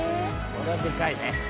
「これはでかいね」